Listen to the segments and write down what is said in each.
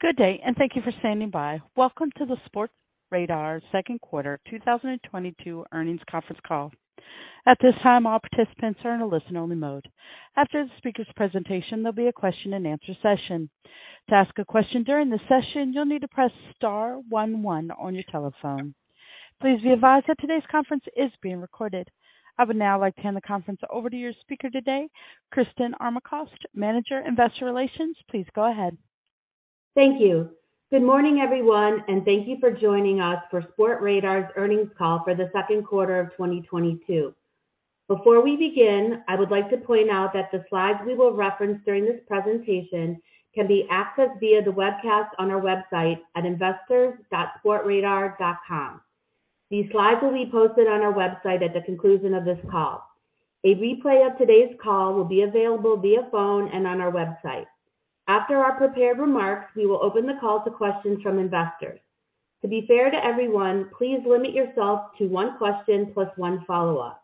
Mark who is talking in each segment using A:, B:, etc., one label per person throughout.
A: Good day, and thank you for standing by. Welcome to the Sportradar Q2 2022 earnings conference call. At this time, all participants are in a listen only mode. After the speaker's presentation, there'll be a question and answer session. To ask a question during the session, you'll need to press star one one on your telephone. Please be advised that today's conference is being recorded. I would now like to hand the conference over to your speaker today, Christin Armacost, Manager, Investor Relations. Please go ahead.
B: Thank you. Good morning, everyone, and thank you for joining us for Sportradar's earnings call for the Q2 of 2022. Before we begin, I would like to point out that the slides we will reference during this presentation can be accessed via the webcast on our website at investors.sportradar.com. These slides will be posted on our website at the conclusion of this call. A replay of today's call will be available via phone and on our website. After our prepared remarks, we will open the call to questions from investors. To be fair to everyone, please limit yourself to one question plus one follow-up.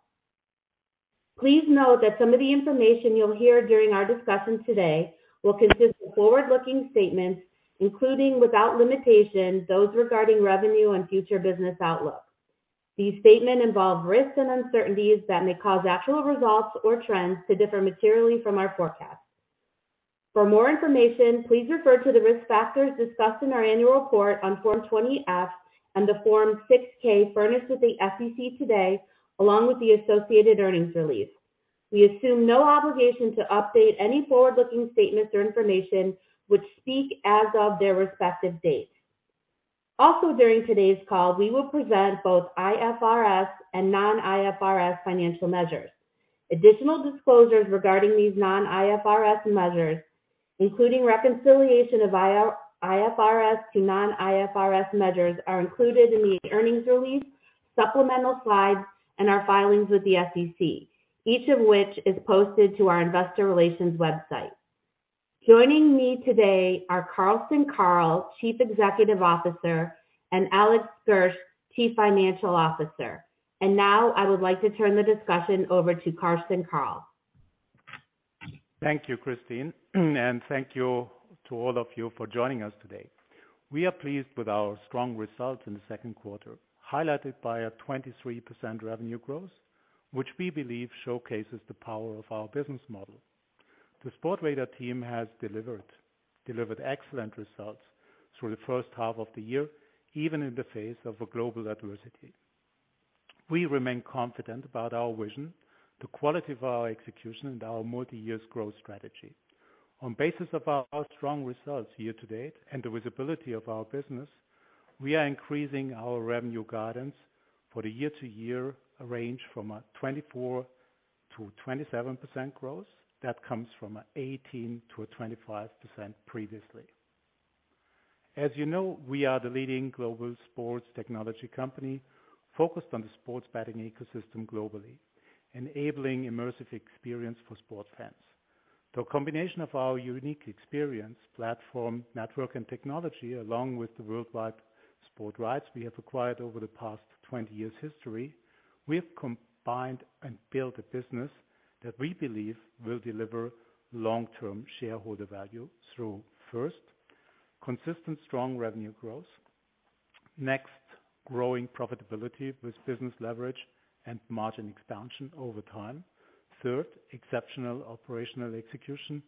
B: Please note that some of the information you'll hear during our discussion today will consist of forward-looking statements, including, without limitation, those regarding revenue and future business outlooks. These statements involve risks and uncertainties that may cause actual results or trends to differ materially from our forecasts. For more information, please refer to the risk factors discussed in our annual report on Form 20-F and the Form 6-K furnished with the SEC today, along with the associated earnings release. We assume no obligation to update any forward-looking statements or information which speak as of their respective dates. Also, during today's call, we will present both IFRS and non-IFRS financial measures. Additional disclosures regarding these non-IFRS measures, including reconciliation of IFRS to non-IFRS measures, are included in the earnings release, supplemental slides, and our filings with the SEC, each of which is posted to our investor relations website. Joining me today are Carsten Koerl, Chief Executive Officer, and Alex Gersh, Chief Financial Officer. Now I would like to turn the discussion over to Carsten Koerl.
C: Thank you, Christine, and thank you to all of you for joining us today. We are pleased with our strong results in the Q2, highlighted by a 23% revenue growth, which we believe showcases the power of our business model. The Sportradar team has delivered excellent results through the first half of the year, even in the face of a global adversity. We remain confident about our vision, the quality of our execution, and our multi-year growth strategy. On the basis of our strong results year-to-date and the visibility of our business, we are increasing our revenue guidance for the year to a range from a 24%-27% growth. That comes from 18%-25% previously. As you know, we are the leading global sports technology company focused on the sports betting ecosystem globally, enabling immersive experience for sports fans. Through a combination of our unique experience, platform, network, and technology, along with the worldwide sport rights we have acquired over the past 20 years history, we have combined and built a business that we believe will deliver long-term shareholder value through, first, consistent strong revenue growth. Next, growing profitability with business leverage and margin expansion over time. Third, exceptional operational execution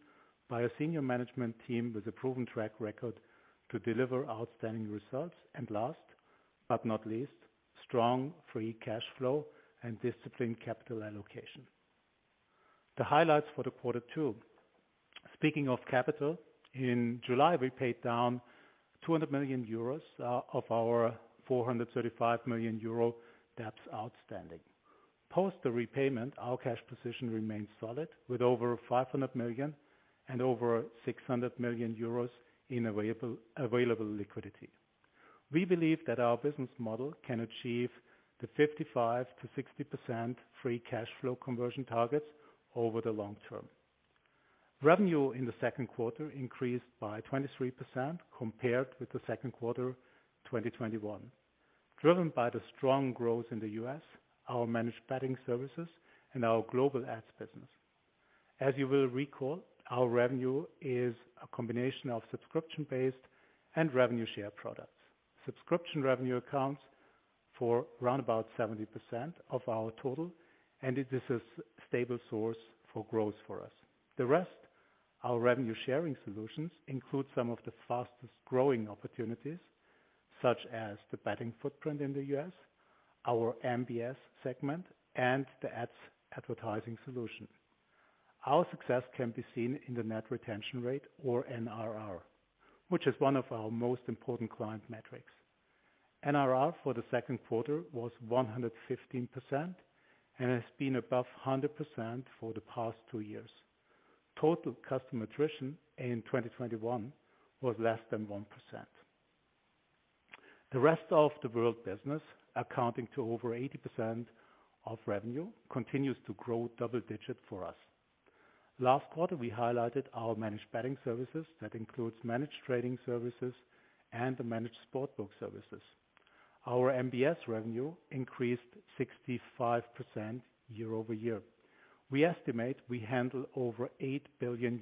C: by a senior management team with a proven track record to deliver outstanding results. Last but not least, strong free cash flow and disciplined capital allocation. The highlights for the quarter two. Speaking of capital, in July, we paid down €200 million of our €435 million euro debts outstanding. Post the repayment, our cash position remains solid with over €500 million and over €600 million in available liquidity. We believe that our business model can achieve the 55%-60% free cash flow conversion targets over the long term. Revenue in the Q2 increased by 23% compared with the Q2 2021, driven by the strong growth in the US, our Managed Betting Services, and our global ad:s business. As you will recall, our revenue is a combination of subscription-based and revenue share products. Subscription revenue accounts for roundabout 70% of our total, and it is a stable source for growth for us. The rest, our revenue-sharing solutions, include some of the fastest-growing opportunities, such as the betting footprint in the US, our MBS segment, and the ad:s advertising solution. Our success can be seen in the net retention rate, or NRR, which is one of our most important client metrics. NRR for the Q2 was 115% and has been above 100% for the past two years. Total customer attrition in 2021 was less than 1%. The rest of the world business, accounting for over 80% of revenue, continues to grow double-digit for us. Last quarter, we highlighted our Managed Betting Services. That includes Managed Trading Services and the Managed Sportsbook Services. Our MBS revenue increased 65% year-over-year. We estimate we handle over €8 billion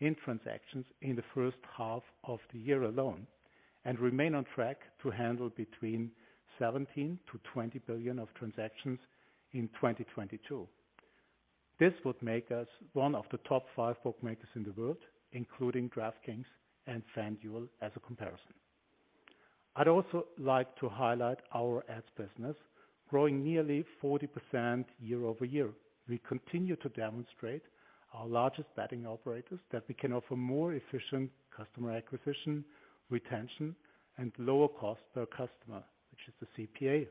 C: in transactions in the first half of the year alone, and remain on track to handle between €17 billion and €20 billion of transactions in 2022. This would make us one of the top five bookmakers in the world, including DraftKings and FanDuel as a comparison. I'd also like to highlight our ad:s business growing nearly 40% year-over-year. We continue to demonstrate our largest betting operators that we can offer more efficient customer acquisition, retention, and lower cost per customer, which is the CPA,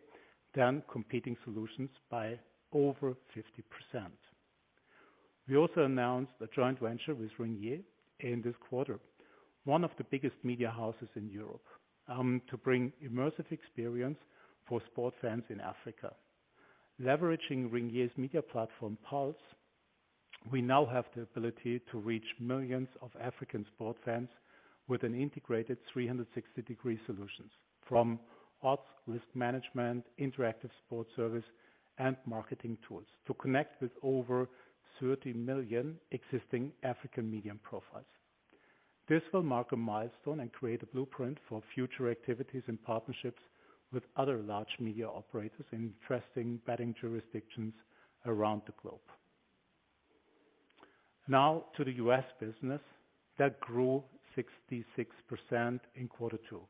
C: than competing solutions by over 50%. We also announced a joint venture with Ringier in this quarter, one of the biggest media houses in Europe, to bring immersive experience for sport fans in Africa. Leveraging Ringier's media platform, Pulse, we now have the ability to reach millions of African sport fans with an integrated 360-degree solutions from odds, risk management, interactive sport service, and marketing tools to connect with over 30 million existing African media profiles. This will mark a milestone and create a blueprint for future activities and partnerships with other large media operators in interesting betting jurisdictions around the globe. Now to the US business that grew 66% in quarter two.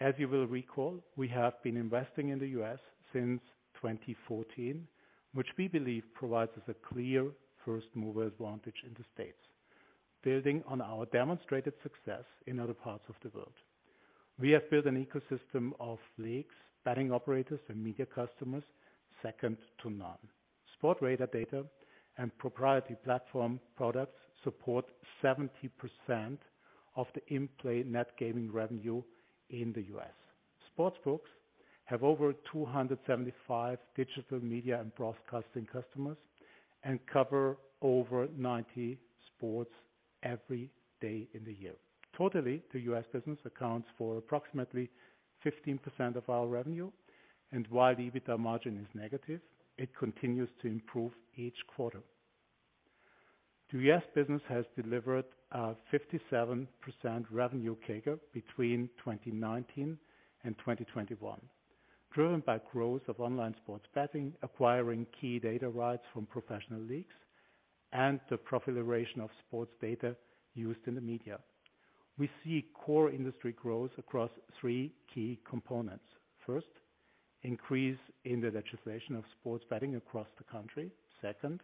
C: As you will recall, we have been investing in the US since 2014, which we believe provides us a clear first mover's advantage in the States, building on our demonstrated success in other parts of the world. We have built an ecosystem of leagues, betting operators and media customers second to none. Sportradar data and proprietary platform products support 70% of the in-play net gaming revenue in the US Sports books have over 275 digital media and broadcasting customers, and cover over 90 sports every day in the year. Totally, the US business accounts for approximately 15% of our revenue, and while EBITDA margin is negative, it continues to improve each quarter. The US business has delivered a 57% revenue CAGR between 2019 and 2021, driven by growth of online sports betting, acquiring key data rights from professional leagues, and the proliferation of sports data used in the media. We see core industry growth across three key components. First, increase in the legislation of sports betting across the country. Second,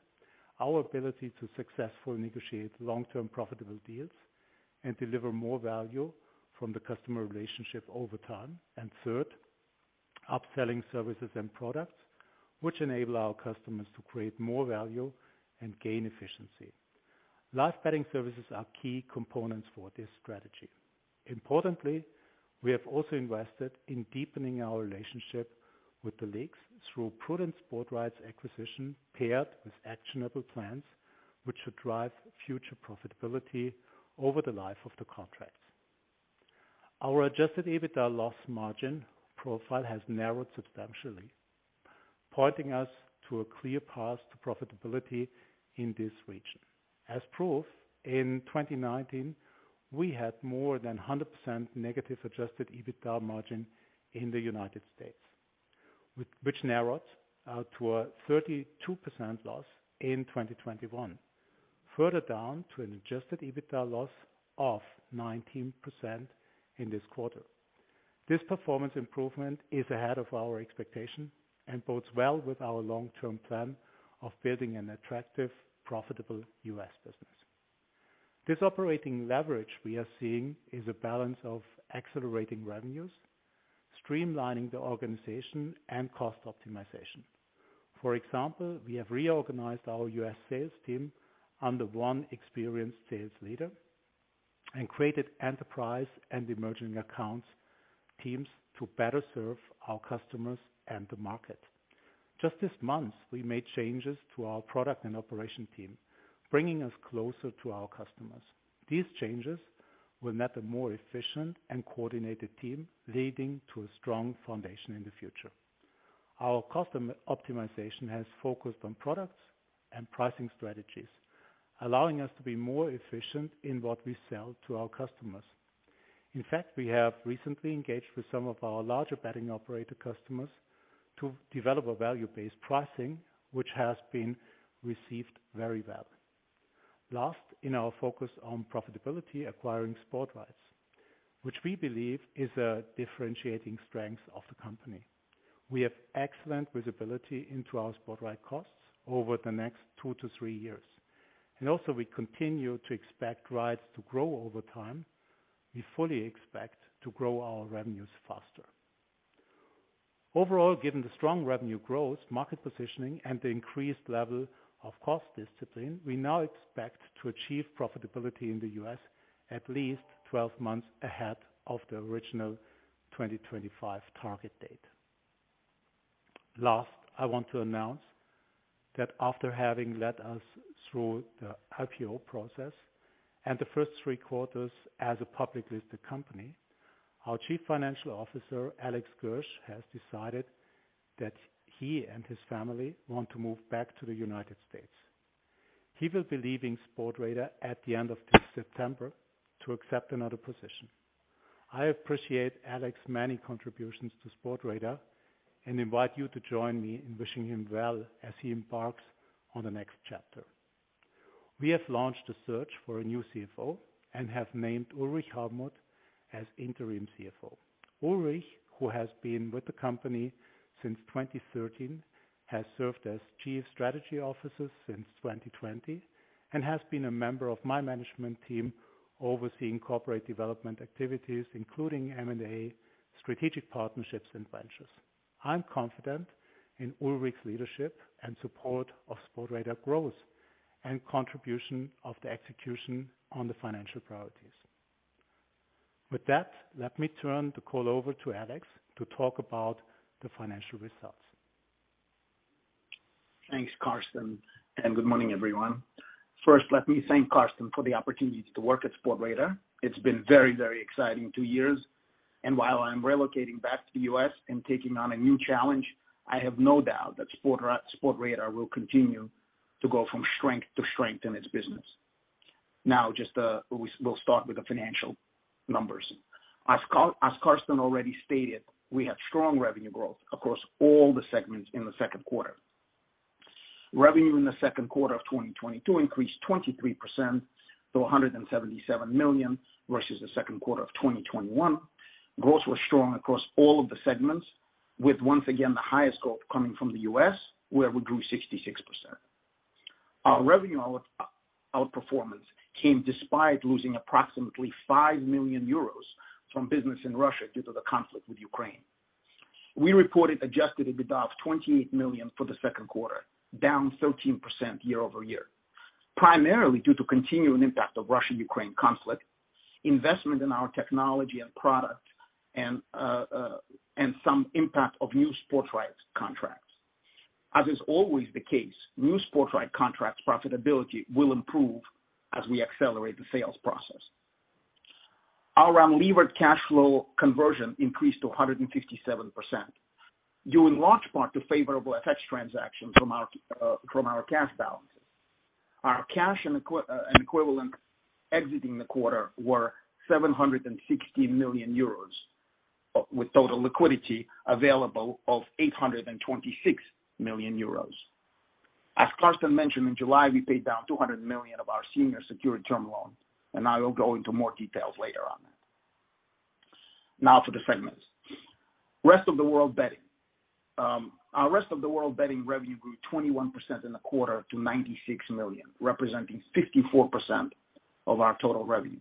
C: our ability to successfully negotiate long-term profitable deals and deliver more value from the customer relationship over time. Third, upselling services and products which enable our customers to create more value and gain efficiency. Live betting services are key components for this strategy. Importantly, we have also invested in deepening our relationship with the leagues through prudent sports rights acquisition paired with actionable plans, which should drive future profitability over the life of the contracts. Our adjusted EBITDA loss margin profile has narrowed substantially, pointing us to a clear path to profitability in this region. As proof, in 2019, we had more than 100% negative adjusted EBITDA margin in the United States, which narrowed to a 32% loss in 2021. Further down to an adjusted EBITDA loss of 19% in this quarter. This performance improvement is ahead of our expectation and bodes well with our long-term plan of building an attractive, profitable US business. This operating leverage we are seeing is a balance of accelerating revenues, streamlining the organization, and cost optimization. For example, we have reorganized our US sales team under one experienced sales leader and created enterprise and emerging accounts teams to better serve our customers and the market. Just this month, we made changes to our product and operation team, bringing us closer to our customers. These changes will net a more efficient and coordinated team, leading to a strong foundation in the future. Our custom optimization has focused on products and pricing strategies, allowing us to be more efficient in what we sell to our customers. In fact, we have recently engaged with some of our larger betting operator customers to develop a value-based pricing, which has been received very well. Last in our focus on profitability, acquiring sports rights, which we believe is a differentiating strength of the company. We have excellent visibility into our sports rights costs over the next 2-3 years, and also we continue to expect rights to grow over time. We fully expect to grow our revenues faster. Overall, given the strong revenue growth, market positioning, and the increased level of cost discipline, we now expect to achieve profitability in the US at least 12 months ahead of the original 2025 target date. Last, I want to announce that after having led us through the IPO process and the first three quarters as a publicly listed company, our Chief Financial Officer, Alex Gersh, has decided that he and his family want to move back to the United States. He will be leaving Sportradar at the end of this September to accept another position. I appreciate Alex's many contributions to Sportradar and invite you to join me in wishing him well as he embarks on the next chapter. We have launched a search for a new CFO and have named Ulrich Harmuth as Interim CFO. Ulrich, who has been with the company since 2013, has served as Chief Strategy Officer since 2020 and has been a member of my management team overseeing corporate development activities, including M&A, strategic partnerships, and ventures. I'm confident in Ulrich's leadership and support of Sportradar growth and contribution of the execution on the financial priorities. With that, let me turn the call over to Alex to talk about the financial results.
D: Thanks, Carsten, and good morning, everyone. First, let me thank Carsten for the opportunity to work at Sportradar. It's been very, very exciting two years, and while I'm relocating back to the US and taking on a new challenge, I have no doubt that Sportradar will continue to go from strength to strength in its business. Now, just, we'll start with the financial numbers. As Carsten already stated, we have strong revenue growth across all the segments in the Q2. Revenue in the Q2 of 2022 increased 23% to €177 million versus the Q2 of 2021. Growth was strong across all of the segments with once again, the highest growth coming from the US, where we grew 66%. Our revenue outperformance came despite losing approximately €5 million from business in Russia due to the conflict with Ukraine. We reported adjusted EBITDA of €28 million for the Q2, down 13% year-over-year, primarily due to continuing impact of Russia-Ukraine conflict, investment in our technology and product and some impact of new sports rights contracts. As is always the case, new sports rights contracts profitability will improve as we accelerate the sales process. Our unlevered cash flow conversion increased to 157% due in large part to favorable FX transactions from our cash balances. Our cash and equivalent exiting the quarter were €760 million, with total liquidity available of €826 million. As Carsten mentioned, in July, we paid down €200 million of our senior secured term loan, and I will go into more details later on. Now for the segments. Rest of the world betting. Our rest of the world betting revenue grew 21% in the quarter to €96 million, representing 54% of our total revenue.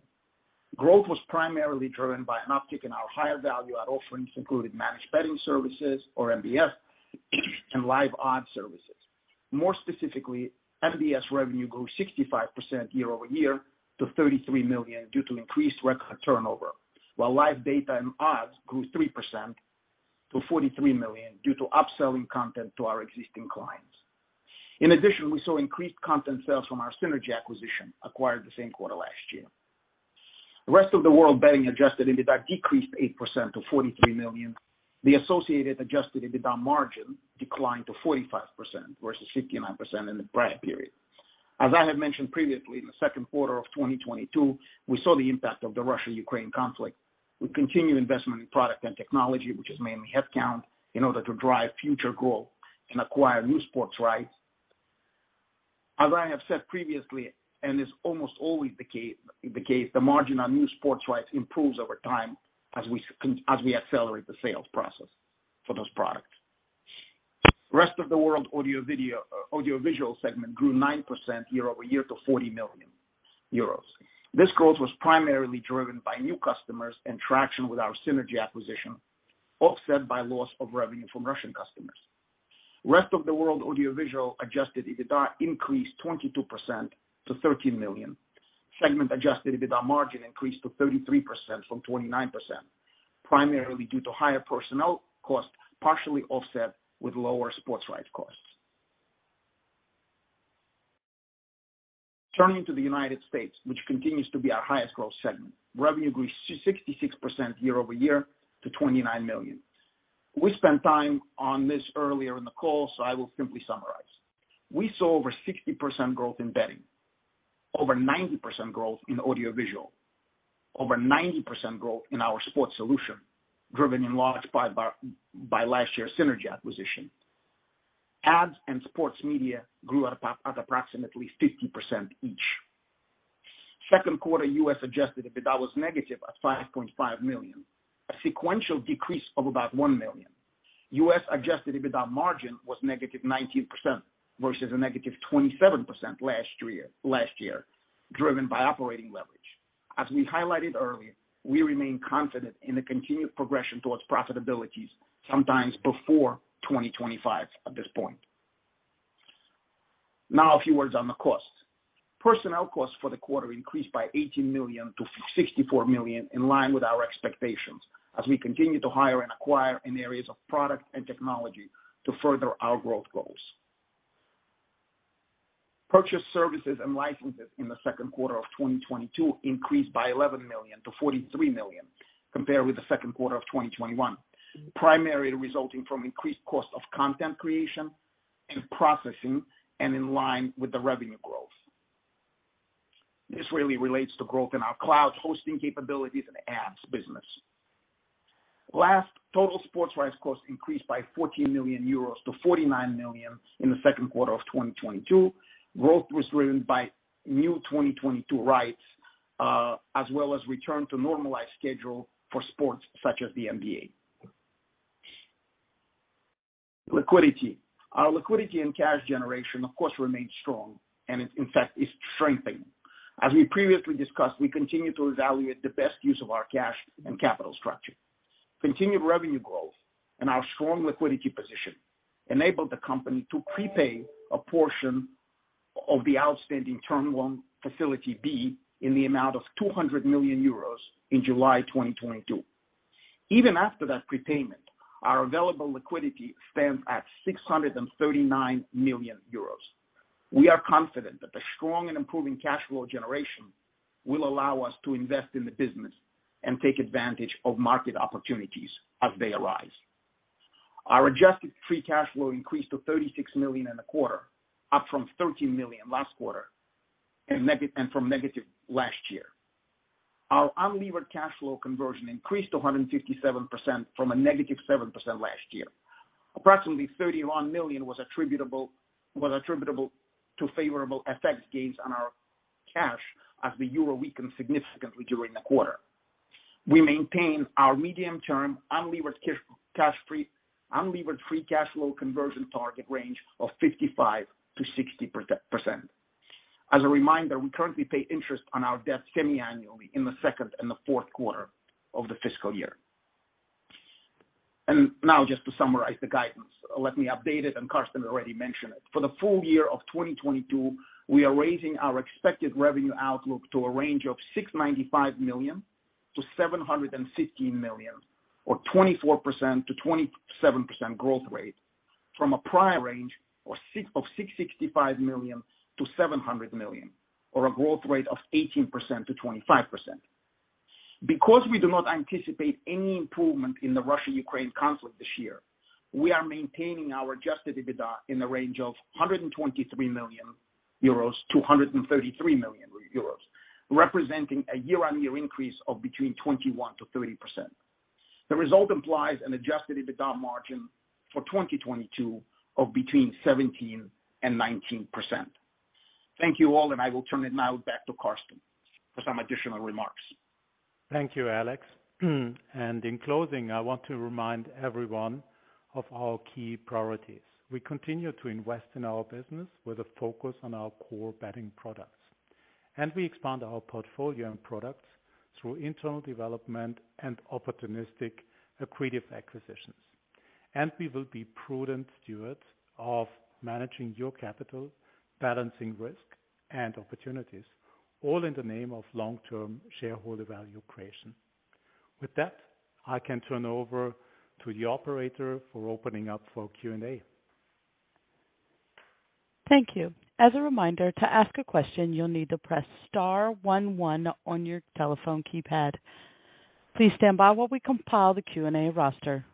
D: Growth was primarily driven by an uptick in our higher value ad offerings, including managed betting services or MBS and Live Odds services. More specifically, MBS revenue grew 65% year-over-year to €33 million due to increased record turnover, while Live Data and Odds grew 3% to €43 million due to upselling content to our existing clients. In addition, we saw increased content sales from our Synergy Sports acquisition acquired the same quarter last year. Rest of the world betting adjusted EBITDA decreased 8% to €43 million. The associated adjusted EBITDA margin declined to 45% versus 59% in the prior period. As I have mentioned previously, in the Q2 of 2022, we saw the impact of the Russia-Ukraine conflict. We continue investment in product and technology, which is mainly headcount, in order to drive future growth and acquire new sports rights. As I have said previously, and it's almost always the case, the margin on new sports rights improves over time as we accelerate the sales process for those products. Rest of the world audio-visual segment grew 9% year-over-year to €40 million. This growth was primarily driven by new customers and traction with our Synergy acquisition, offset by loss of revenue from Russian customers. Rest of the world audio-visual adjusted EBITDA increased 22% to €13 million. Segment adjusted EBITDA margin increased to 33% from 29%, primarily due to higher personnel costs, partially offset with lower sports rights costs. Turning to the United States, which continues to be our highest growth segment. Revenue grew 66% year-over-year to €29 million. We spent time on this earlier in the call, so I will simply summarize. We saw over 60% growth in betting, over 90% growth in audiovisual, over 90% growth in our sports solution, driven largely by last year's Synergy acquisition. Ads and sports media grew at approximately 50% each. Q2 US adjusted EBITDA was negative at €5.5 million, a sequential decrease of about €1 million. US adjusted EBITDA margin was negative 19% versus a negative 27% last year, driven by operating leverage. As we highlighted earlier, we remain confident in the continued progression towards profitabilities sometimes before 2025 at this point. Now a few words on the costs. Personnel costs for the quarter increased by €18 million to €64 million in line with our expectations as we continue to hire and acquire in areas of product and technology to further our growth goals. Purchase services and licenses in the Q2 of 2022 increased by €11 million to €43 million compared with the Q2 of 2021, primarily resulting from increased cost of content creation and processing and in line with the revenue growth. This really relates to growth in our cloud hosting capabilities and ads business. Last, total sports rights costs increased by €14 million to €49 million in the Q2 of 2022. Growth was driven by new 2022 rights, as well as return to normalized schedule for sports such as the NBA. Liquidity. Our liquidity and cash generation of course remains strong and in fact is strengthening. As we previously discussed, we continue to evaluate the best use of our cash and capital structure. Continued revenue growth and our strong liquidity position enabled the company to prepay a portion of the outstanding Term Loan B in the amount of €200 million in July 2022. Even after that prepayment, our available liquidity stands at €639 million. We are confident that the strong and improving cash flow generation will allow us to invest in the business and take advantage of market opportunities as they arise. Our adjusted free cash flow increased to€36 million in the quarter, up from €13 million last quarter, and from negative last year. Our unlevered cash flow conversion increased to 157% from a negative 7% last year. Approximately €31 million was attributable to favorable FX gains on our cash as the euro weakened significantly during the quarter. We maintain our medium term unlevered free cash flow conversion target range of 55%-60%. As a reminder, we currently pay interest on our debt semi-annually in the second and the fourth quarter of the fiscal year. Now just to summarize the guidance, let me update it, and Carsten already mentioned it. For the full year of 2022, we are raising our expected revenue outlook to a range of €695 million- €715 million or 24%-27% growth rate from a prior range of €665 million to €700 million, or a growth rate of 18%-25%. Because we do not anticipate any improvement in the Russia-Ukraine conflict this year, we are maintaining our adjusted EBITDA in the range of €123 million- €133 million, representing a year-on-year increase of between 21%-30%. The result implies an adjusted EBITDA margin for 2022 of between 17%-19%. Thank you all, and I will turn it now back to Carsten for some additional remarks.
C: Thank you, Alex. In closing, I want to remind everyone of our key priorities. We continue to invest in our business with a focus on our core betting products. We expand our portfolio and products through internal development and opportunistic accretive acquisitions. We will be prudent stewards of managing your capital, balancing risk and opportunities, all in the name of long-term shareholder value creation. With that, I can turn over to the operator for opening up for Q&A.
A: Thank you. As a reminder, to ask a question, you'll need to press star one one on your telephone keypad. Please stand by while we compile the Q&A roster.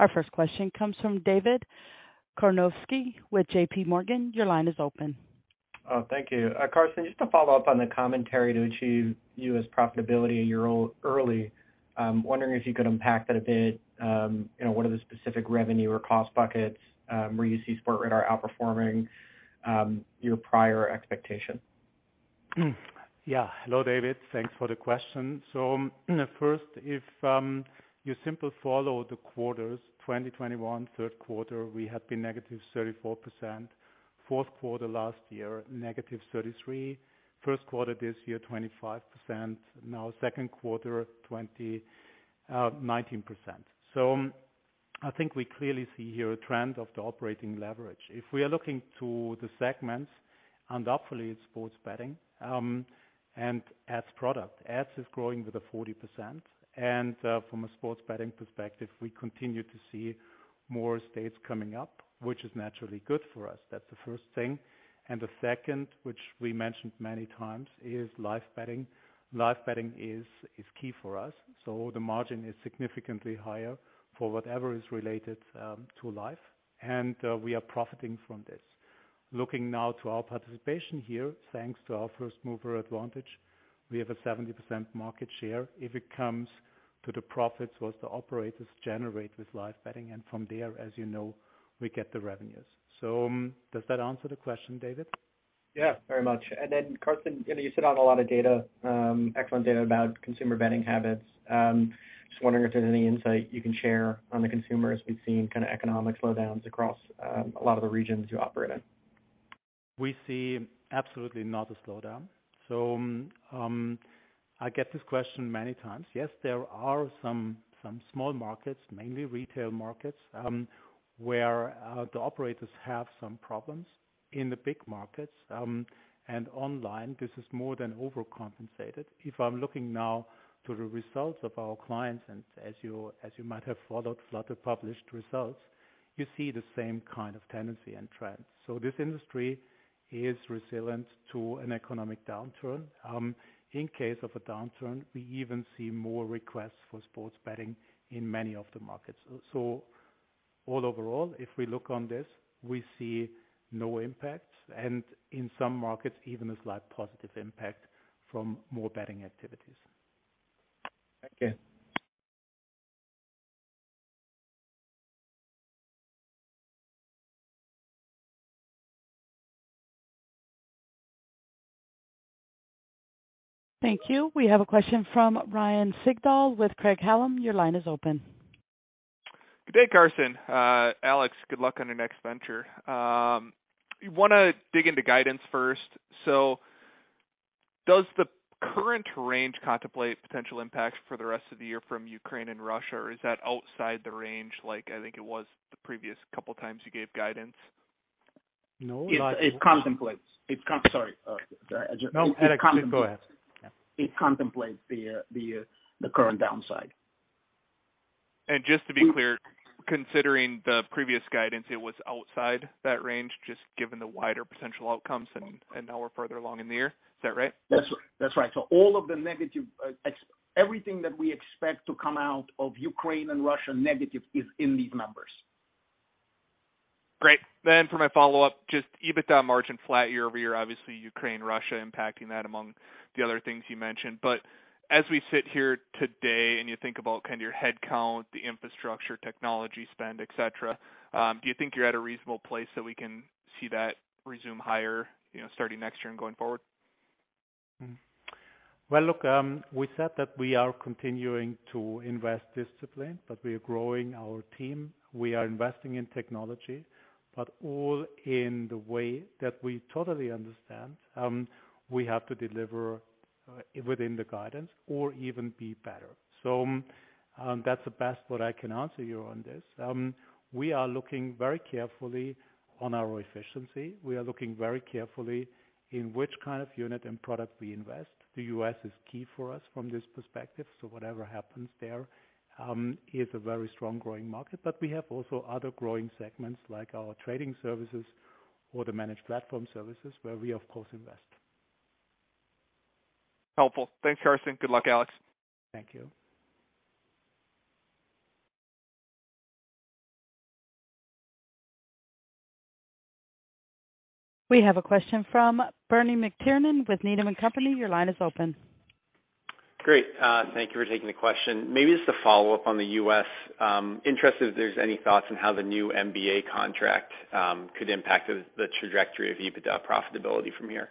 A: Our first question comes from David Karnovsky with JP Morgan. Your line is open.
E: Carsten, just to follow up on the commentary to achieve US profitability a year early, wondering if you could unpack that a bit. You know, what are the specific revenue or cost buckets where you see Sportradar outperforming your prior expectation?
C: Yeah. Hello, David. Thanks for the question. First, if you simply follow the quarters, 2021 Q3, we had been -34%. Q4 last year, -33%. Q1 this year, 25%. Now Q2, 19%. I think we clearly see here a trend of the operating leverage. If we are looking to the segments, undoubtedly it's sports betting and ads product. Ads is growing with a 40% and from a sports betting perspective, we continue to see more states coming up, which is naturally good for us. That's the first thing. The second, which we mentioned many times, is live betting. Live betting is key for us, so the margin is significantly higher for whatever is related to live, and we are profiting from this. Looking now to our participation here, thanks to our first mover advantage, we have a 70% market share if it comes to the profits while the operators generate with live betting, and from there, as you know, we get the revenues. Does that answer the question, David?
E: Yeah, very much. Carsten, you know, you sit on a lot of data, excellent data about consumer betting habits. Just wondering if there's any insight you can share on the consumer as we've seen economic slowdowns across a lot of the regions you operate in?
C: We see absolutely not a slowdown. I get this question many times. Yes, there are some small markets, mainly retail markets, where the operators have some problems in the big markets. Online, this is more than overcompensated. If I'm looking now to the results of our clients, and as you might have followed Flutter published results, you see the same tendency and trends. This industry is resilient to an economic downturn. In case of a downturn, we even see more requests for sports betting in many of the markets. Overall, if we look on this, we see no impacts, and in some markets, even a slight positive impact from more betting activities.
E: Thank you.
A: Thank you. We have a question from Ryan Sigdahl with Craig-Hallum. Your line is open.
F: Good day, Carsten. Alex, good luck on your next venture. Want to dig into guidance first. Does the current range contemplate potential impacts for the rest of the year from Ukraine and Russia, or is that outside the range, like I think it was the previous couple times you gave guidance?
C: No.
D: It contemplates.
C: No, Alex, please go ahead.
D: It contemplates the current downside.
F: Just to be clear, considering the previous guidance, it was outside that range, just given the wider potential outcomes and now we're further along in the year. Is that right?
D: That's right. All of the negative everything that we expect to come out of Ukraine and Russia negative is in these numbers.
F: Great. For my follow-up, just EBITDA margin flat year-over-year, obviously Ukraine-Russia impacting that among the other things you mentioned. As we sit here today and you think about your head count, the infrastructure, technology spend, et cetera, do you think you're at a reasonable place that we can see that resume higher, you know, starting next year and going forward?
C: Well, look, we said that we are continuing to invest with discipline, but we are growing our team. We are investing in technology, but all in the way that we totally understand we have to deliver within the guidance or even be better. That's the best that I can answer you on this. We are looking very carefully at our efficiency. We are looking very carefully at which unit and product we invest. The US is key for us from this perspective, so whatever happens there is a very strong growing market. We have also other growing segments like our trading services or the managed platform services where we of course invest.
F: Helpful. Thanks, Carsten. Good luck, Alex.
C: Thank you.
A: We have a question from Bernie McTernan with Needham & Company. Your line is open.
G: Great. Thank you for taking the question. Maybe just a follow-up on the US Interested if there's any thoughts on how the new NBA contract could impact the trajectory of EBITDA profitability from here.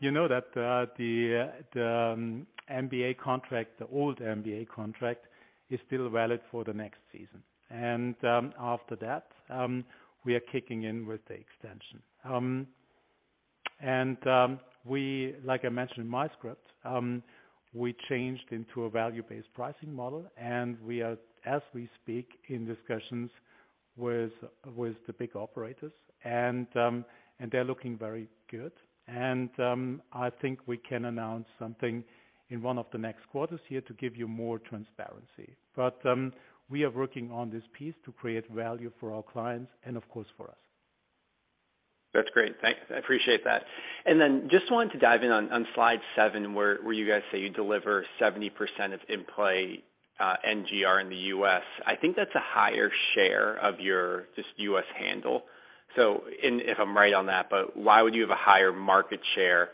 C: You know that the NBA contract, the old NBA contract is still valid for the next season. After that, we are kicking in with the extension. Like I mentioned in my script, we changed into a value-based pricing model, and we are, as we speak, in discussions with the big operators and they're looking very good. I think we can announce something in one of the next quarters here to give you more transparency. We are working on this piece to create value for our clients and of course for us.
G: That's great. Appreciate that. Then just wanted to dive in on slide 7, where you guys say you deliver 70% of in-play NGR in the US. I think that's a higher share of your just US handle. If I'm right on that, but why would you have a higher market share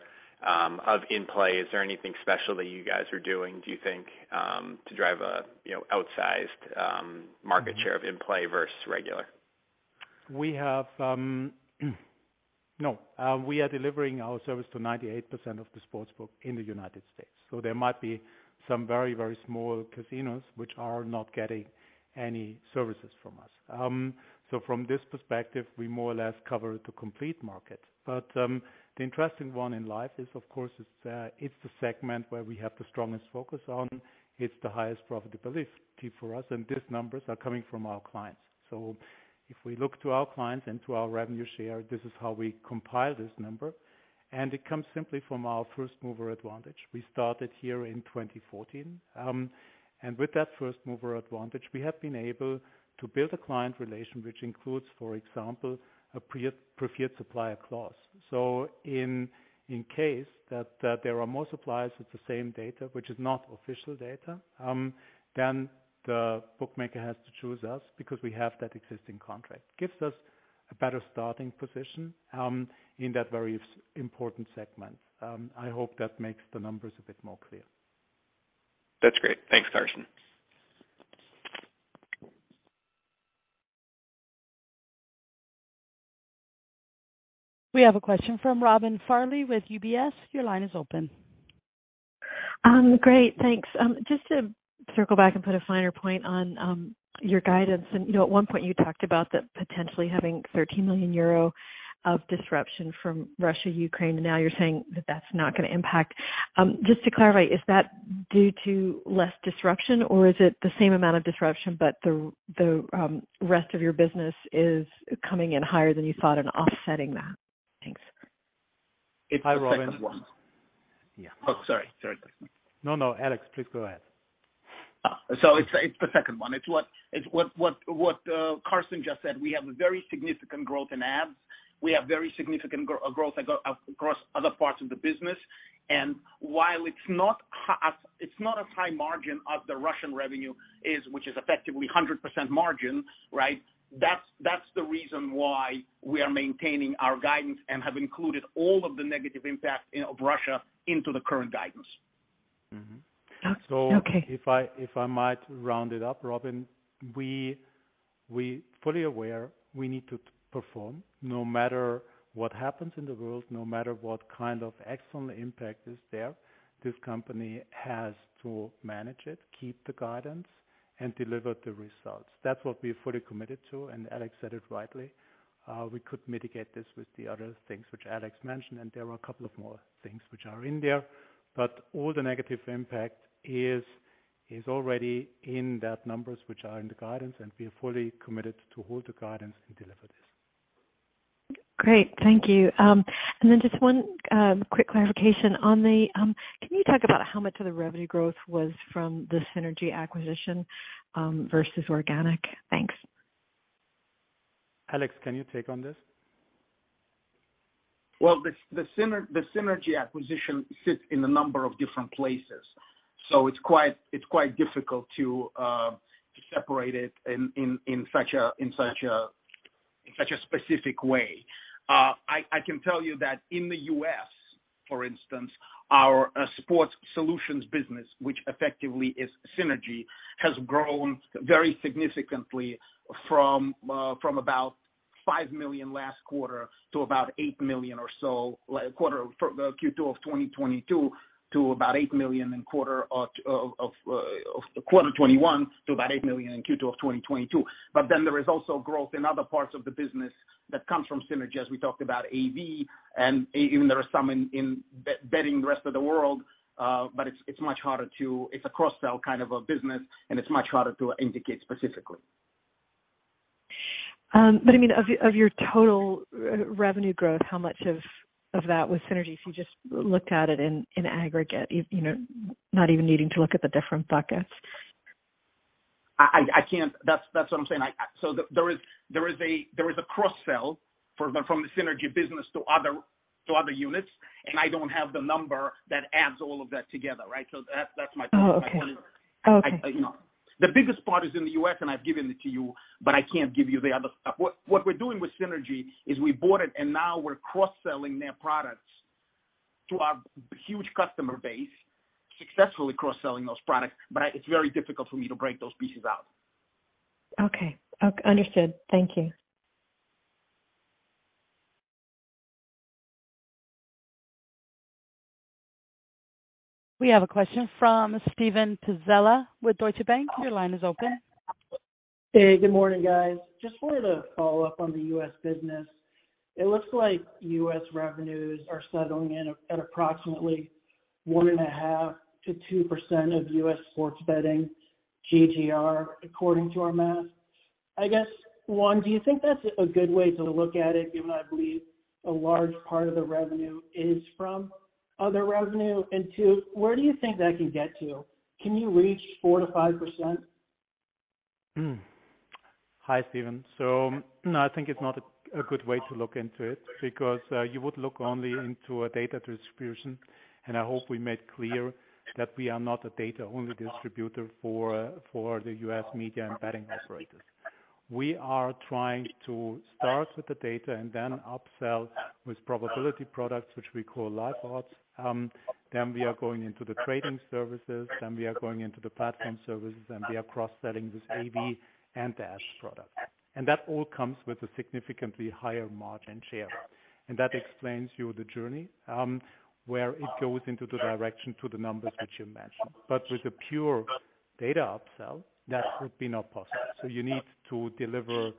G: of in-play? Is there anything special that you guys are doing, do you think, to drive a you know outsized market share of in-play versus regular?
C: We are delivering our service to 98% of the sportsbook in the United States. There might be some very, very small casinos which are not getting any services from us. From this perspective, we more or less cover the complete market. The interesting one in live is of course the segment where we have the strongest focus on. It is the highest profitability for us, and these numbers are coming from our clients. If we look to our clients and to our revenue share, this is how we compile this number, and it comes simply from our first-mover advantage. We started here in 2014. With that first-mover advantage, we have been able to build a client relation which includes, for example, a preferred supplier clause. In case there are more suppliers with the same data, which is not official data, then the bookmaker has to choose us because we have that existing contract. Gives us a better starting position in that very important segment. I hope that makes the numbers a bit more clear.
G: That's great. Thanks, Carsten.
A: We have a question from Robin Farley with UBS. Your line is open.
H: Great, thanks. Just to circle back and put a finer point on your guidance. You know, at one point you talked about that potentially having €13 million of disruption from Russia, Ukraine, and now you're saying that that's not gonna impact. Just to clarify, is that due to less disruption or is it the same amount of disruption but the rest of your business is coming in higher than you thought and offsetting that? Thanks.
C: Hi, Robin.
D: It's the second one.
C: Yeah.
D: Oh, sorry. Sorry.
C: No, no. Alex, please go ahead.
D: It's the second one. It's what Carsten just said, we have a very significant growth in ads. We have very significant growth across other parts of the business. While it's not as high margin as the Russian revenue is, which is effectively 100% margin, right? That's the reason why we are maintaining our guidance and have included all of the negative impact of Russia into the current guidance.
C: Mm-hmm.
H: Oh, okay.
C: If I might round it up, Robin, we fully aware we need to perform. No matter what happens in the world, no matter what external impact is there, this company has to manage it, keep the guidance, and deliver the results. That's what we are fully committed to, and Alex said it rightly, we could mitigate this with the other things which Alex mentioned, and there are a couple of more things which are in there, but all the negative impact is already in that numbers which are in the guidance, and we are fully committed to hold the guidance and deliver this.
H: Great. Thank you. Just one quick clarification. Can you talk about how much of the revenue growth was from the Synergy acquisition versus organic? Thanks.
C: Alex, can you take on this?
D: Well, the Synergy acquisition sits in a number of different places, so it's quite difficult to separate it in such a specific way. I can tell you that in the US, for instance, our sports solutions business, which effectively is Synergy, has grown very significantly from about €5 million in Q1 of 2022 to about €8 million or so in Q2 of 2022. There is also growth in other parts of the business that comes from Synergy, as we talked about AV, and even there is some in betting the rest of the world. It's a cross-sell a business and it's much harder to indicate specifically.
H: I mean, of your total revenue growth, how much of that was Synergy if you just looked at it in aggregate, you know, not even needing to look at the different buckets?
D: I can't. That's what I'm saying. There is a cross-sell from the Synergy business to other units, and I don't have the number that adds all of that together, right? That's my point.
H: Oh, okay. Okay.
D: You know. The biggest part is in the US, and I've given it to you, but I can't give you the other stuff. What we're doing with Synergy is we bought it and now we're cross-selling their products to our huge customer base, successfully cross-selling those products, but it's very difficult for me to break those pieces out.
H: Okay. Understood. Thank you.
A: We have a question from Steven Pizzella with Deutsche Bank. Your line is open.
I: Hey, good morning, guys. Just wanted to follow up on the US business. It looks like US revenues are settling in at approximately 1.5%-2% of US sports betting GGR according to our math. I guess, one, do you think that's a good way to look at it, given I believe a large part of the revenue is from other revenue? Two, where do you think that can get to? Can you reach 4%-5%?
C: Hi, Steven. No, I think it's not a good way to look into it because you would look only into a data distribution, and I hope we made clear that we are not a data-only distributor for the US media and betting operators. We are trying to start with the data and then upsell with probability products, which we call Live Odds. Then we are going into the trading services, then we are going into the platform services, and we are cross-selling this AV and ad:s product. That all comes with a significantly higher margin share. That explains to you the journey where it goes into the direction to the numbers that you mentioned. With the pure data upsell, that would be not possible. You need to deliver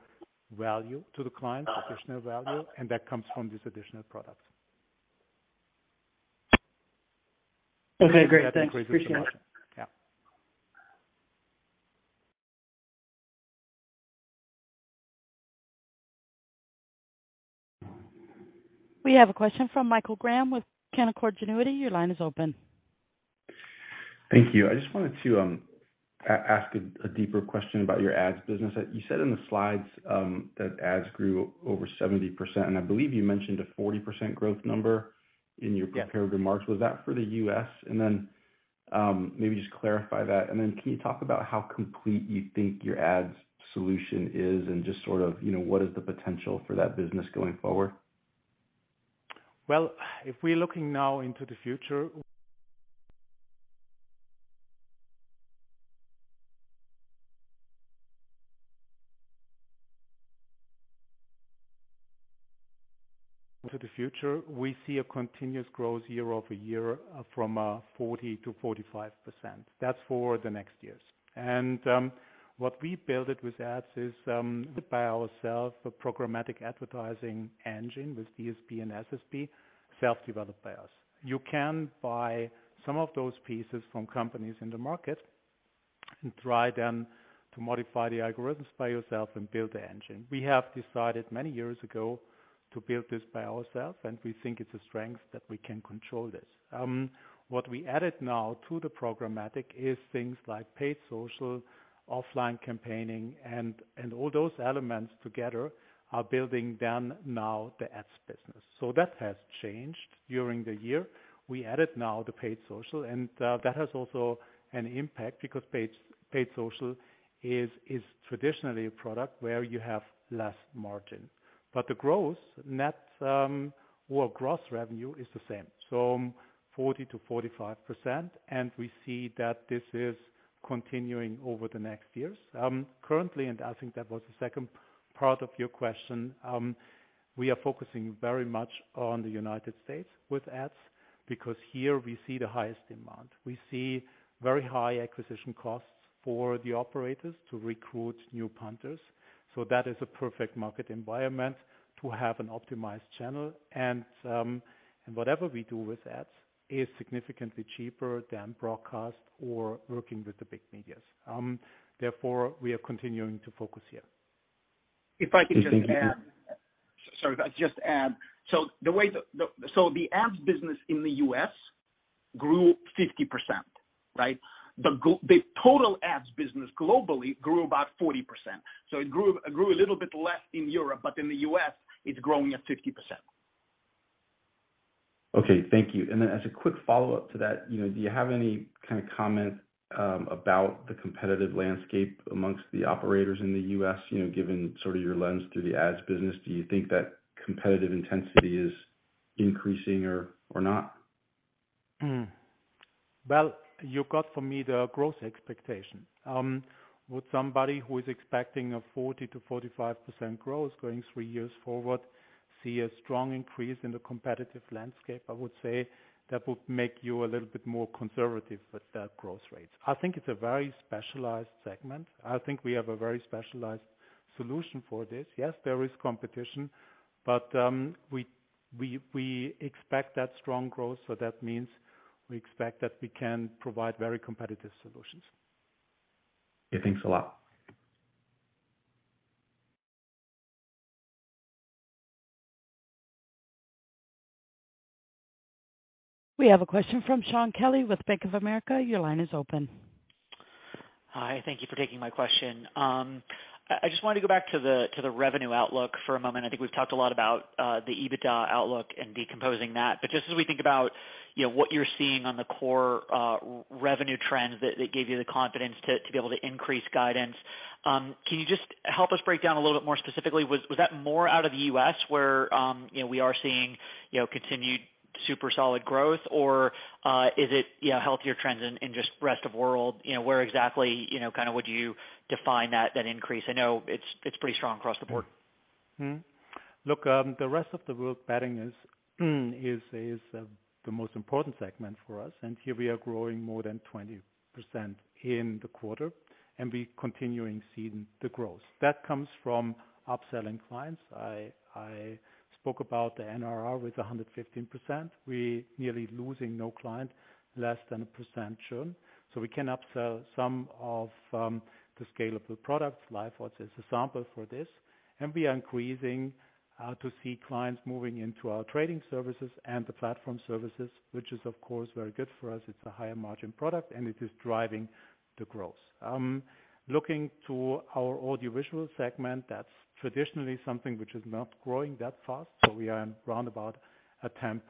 C: value to the client, additional value, and that comes from these additional products.
I: Okay, great. Thanks. Appreciate it.
C: Yeah.
A: We have a question from Michael Graham with Canaccord Genuity. Your line is open.
J: Thank you. I just wanted to ask a deeper question about your ads business. You said in the slides that ads grew over 70%, and I believe you mentioned a 40% growth number in your prepared remarks. Was that for the US? Maybe just clarify that. Can you talk about how complete you think your ads solution is and just you know what is the potential for that business going forward?
C: Well, if we're looking now into the future, we see a continuous growth year-over-year from 40%-45%. That's for the next years. What we built with ad:s is by ourselves, the programmatic advertising engine with DSP and SSP self-developed by us. You can buy some of those pieces from companies in the market and try them to modify the algorithms by yourself and build the engine. We have decided many years ago to build this by ourselves, and we think it's a strength that we can control this. What we added now to the programmatic is things like paid social, offline campaigning and all those elements together are building then now the ad:s business. That has changed during the year. We added now the paid social, and that has also an impact because paid social is traditionally a product where you have less margin. The growth net or gross revenue is the same, so 40%-45%, and we see that this is continuing over the next years. Currently, I think that was the second part of your question, we are focusing very much on the United States with ads because here we see the highest demand. We see very high acquisition costs for the operators to recruit new punters. That is a perfect market environment to have an optimized channel. Whatever we do with ads is significantly cheaper than broadcast or working with the big media. Therefore, we are continuing to focus here.
D: if I could just add. The way the ads business in the US grew 50%, right? The total ads business globally grew about 40%. It grew a little bit less in Europe, but in the US it's growing at 50%.
J: Okay, thank you. As a quick follow-up to that, you know, do you have any comment about the competitive landscape among the operators in the US, you know, given sort of your lens through the ads business? Do you think that competitive intensity is increasing or not?
C: Well, you got from me the growth expectation. Would somebody who is expecting a 40%-45% growth going three years forward see a strong increase in the competitive landscape? I would say that would make you a little bit more conservative with that growth rate. I think it's a very specialized segment. I think we have a very specialized solution for this. Yes, there is competition, but we expect that strong growth, so that means we expect that we can provide very competitive solutions.
J: Okay, thanks a lot.
A: We have a question from Shaun Kelley with Bank of America. Your line is open.
K: Hi, thank you for taking my question. I just wanted to go back to the revenue outlook for a moment. I think we've talked a lot about the EBITDA outlook and decomposing that. Just as we think about, you know, what you're seeing on the core revenue trends that gave you the confidence to be able to increase guidance, can you just help us break down a little bit more specifically? Was that more out of the US where you know we are seeing continued super solid growth? Is it you know healthier trends in just rest of world? You know where exactly you know would you define that increase? I know it's pretty strong across the board.
C: Look, the rest of the world betting is the most important segment for us, and here we are growing more than 20% in the quarter, and we're continuing seeing the growth. That comes from upselling clients. I spoke about the NRR with 115%. We're nearly losing no client, less than 1% churn. We can upsell some of the scalable products. Live Odds is a sample for this. We are increasing to see clients moving into our trading services and the platform services, which is of course very good for us. It's a higher margin product, and it is driving the growth. Looking to our audiovisual segment, that's traditionally something which is not growing that fast. We are around about 10%.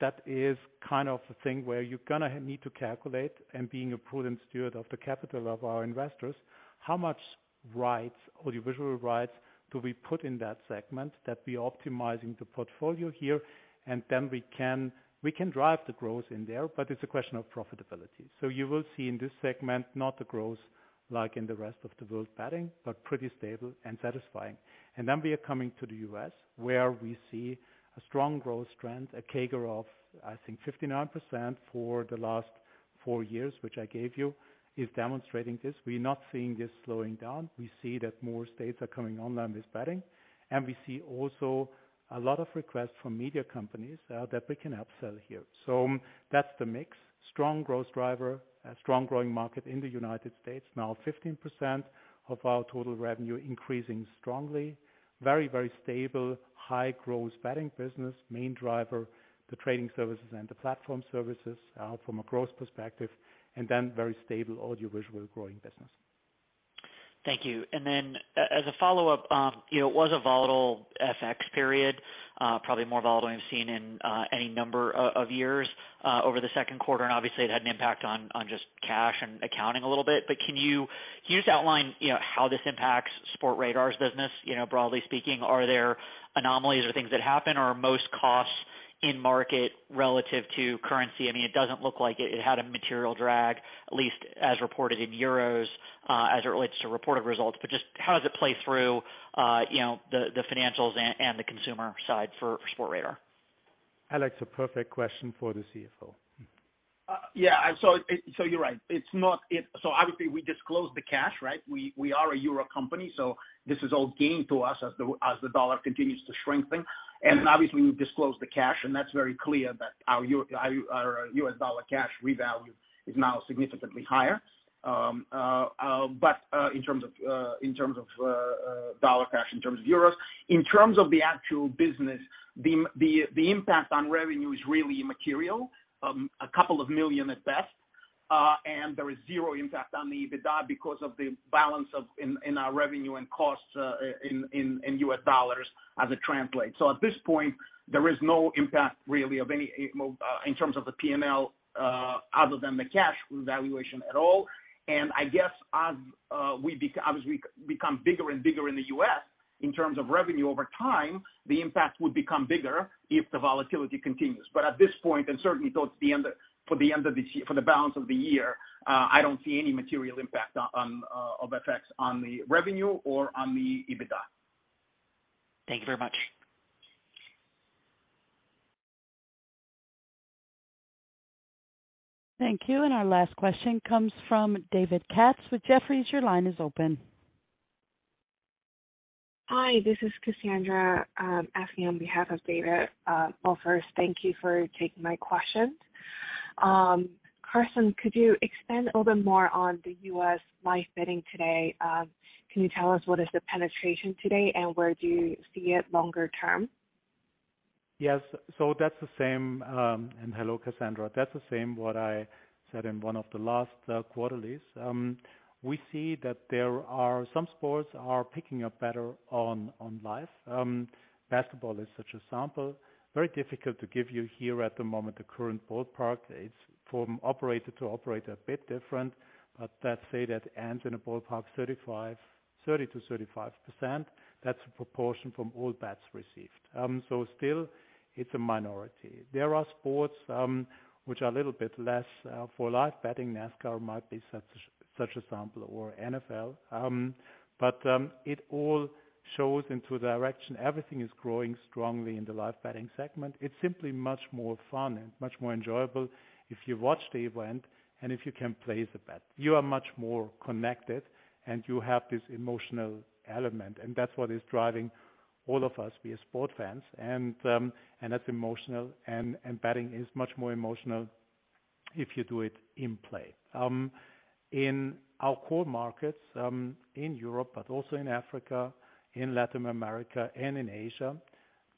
C: That is the thing where you're gonna need to calculate and being a prudent steward of the capital of our investors, how much rights, audiovisual rights do we put in that segment that we're optimizing the portfolio here, and then we can drive the growth in there, but it's a question of profitability. You will see in this segment not the growth like in the rest of the world betting, but pretty stable and satisfying. We are coming to the US, where we see a strong growth trend, a CAGR of, I think, 59% for the last four years, which I gave you, is demonstrating this. We're not seeing this slowing down. We see that more states are coming online with betting. We see also a lot of requests from media companies that we can upsell here. That's the mix. Strong growth driver, a strong growing market in the United States. Now 15% of our total revenue increasing strongly. Very, very stable, high growth betting business. Main driver, the trading services and the platform services from a growth perspective, and then very stable audiovisual growing business.
K: Thank you. As a follow-up, you know, it was a volatile FX period. Probably more volatile than we've seen in any number of years over the Q2, and obviously it had an impact on just cash and accounting a little bit. But can you just outline, you know, how this impacts Sportradar's business? You know, broadly speaking, are there anomalies or things that happen or are most costs in market relative to currency? I mean, it doesn't look like it. It had a material drag, at least as reported in euros, as it relates to reported results. But just how does it play through, you know, the financials and the consumer side for Sportradar?
C: Alex, a perfect question for the CFO.
D: You're right. Obviously we disclose the cash, right? We are a euro company, so this is all gain to us as the dollar continues to strengthen. Obviously we disclose the cash, and that's very clear that our US dollar cash revalue is now significantly higher. But in terms of dollar cash in terms of euros. In terms of the actual business, the impact on revenue is really immaterial, a couple of million EUR at best, and there is zero impact on the EBITDA because of the balance of our revenue and costs in US dollars as it translates. At this point, there is no impact really of any, in terms of the P&L, other than the cash revaluation at all. I guess as we become bigger and bigger in the US, in terms of revenue over time, the impact would become bigger if the volatility continues. At this point, and certainly towards the end of this year, for the balance of the year, I don't see any material impact or effects on the revenue or on the EBITDA.
K: Thank you very much.
A: Thank you. Our last question comes from David Katz with Jefferies. Your line is open.
L: Hi, this is Cassandra, asking on behalf of David. Well first, thank you for taking my questions. Carsten, could you expand a little bit more on the US live betting today? Can you tell us what is the penetration today and where do you see it longer term?
C: Yes. That's the same, and hello, Cassandra. That's the same what I said in one of the last quarterlies. We see that there are some sports are picking up better on live. Basketball is such a example. Very difficult to give you here at the moment the current ballpark. It's from operator to operator a bit different, but let's say that ends in a ballpark 30%-35%. That's the proportion from all bets received. So still it's a minority. There are sports which are a little bit less for live betting. NASCAR might be such example or NFL. But it all shows into a direction. Everything is growing strongly in the live betting segment. It's simply much more fun and much more enjoyable if you watch the event and if you can place a bet. You are much more connected, and you have this emotional element, and that's what is driving all of us via sports fans. That's emotional, and betting is much more emotional if you do it in play. In our core markets, in Europe, but also in Africa, in Latin America and in Asia,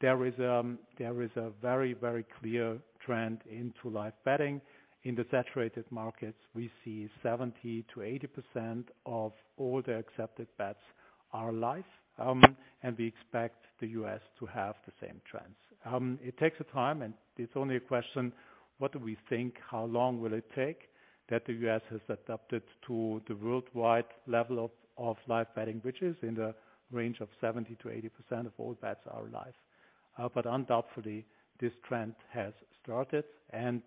C: there is a very clear trend into live betting. In the saturated markets, we see 70%-80% of all the accepted bets are live. We expect the US to have the same trends. It takes time, and it's only a question, what do we think? How long will it take that the US has adapted to the worldwide level of live betting, which is in the range of 70%-80% of all bets are live. Undoubtedly this trend has started and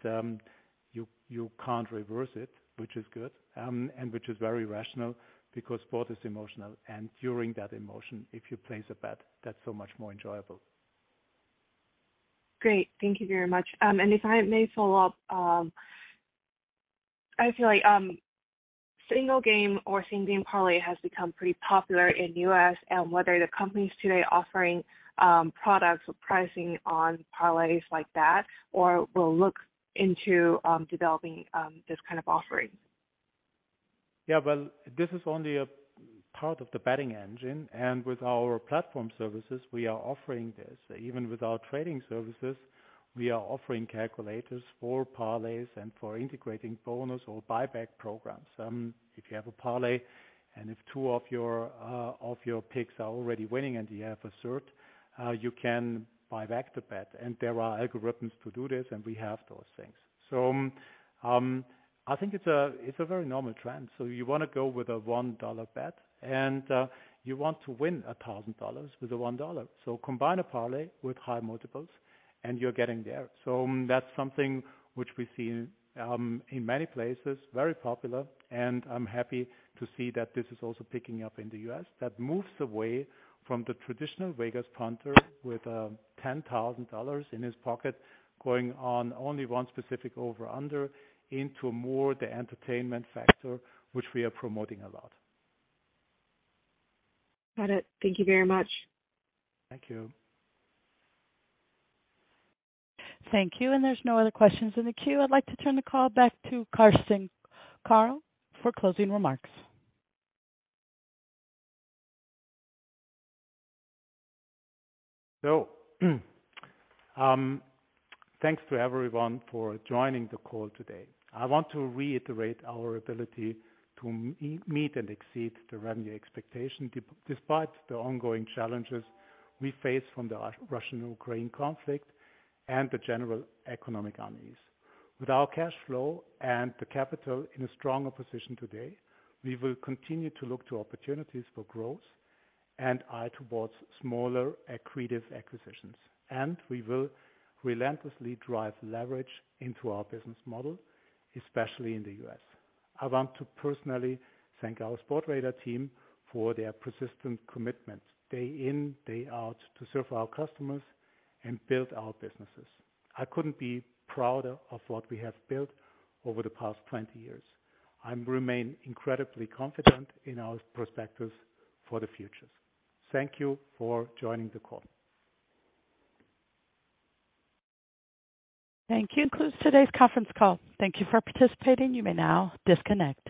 C: you can't reverse it, which is good, and which is very rational because sport is emotional. During that emotion, if you place a bet, that's so much more enjoyable.
L: Great. Thank you very much. If I may follow up, I feel like single game parlay has become pretty popular in US and whether the companies today are offering products or pricing on parlays like that or will look into developing this offering.
C: Yeah. Well, this is only a part of the betting engine, and with our platform services, we are offering this. Even with our trading services, we are offering calculators for parlays and for integrating bonus or buyback programs. If you have a parlay and if two of your picks are already winning and you have a third, you can buy back the bet. There are algorithms to do this, and we have those things. I think it's a very normal trend. You wanna go with a $1 bet, and you want to win $1,000 with a $1. Combine a parlay with high multiples, and you're getting there. That's something which we see in many places, very popular, and I'm happy to see that this is also picking up in the US. That moves away from the traditional Vegas punter with $10,000 in his pocket going on only one specific over under into more the entertainment factor, which we are promoting a lot.
L: Got it. Thank you very much.
C: Thank you.
A: Thank you. There's no other questions in the queue. I'd like to turn the call back to Carsten Koerl for closing remarks.
C: Thanks to everyone for joining the call today. I want to reiterate our ability to meet and exceed the revenue expectation despite the ongoing challenges we face from the Russia-Ukraine conflict and the general economic unease. With our cash flow and the capital in a stronger position today, we will continue to look to opportunities for growth and eye towards smaller accretive acquisitions. We will relentlessly drive leverage into our business model, especially in the US. I want to personally thank our Sportradar team for their persistent commitment day in, day out to serve our customers and build our businesses. I couldn't be prouder of what we have built over the past 20 years. I remain incredibly confident in our perspectives for the future. Thank you for joining the call.
A: Thank you. This concludes today's conference call. Thank you for participating. You may now disconnect.